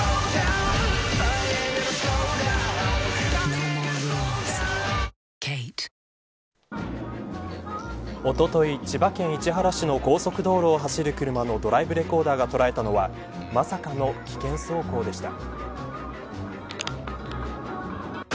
ＮＯＭＯＲＥＲＵＬＥＳＫＡＴＥおととい、千葉県市原市の高速道路を走る車のドライブレコーダーが捉えたのはまさかの危険走行でした。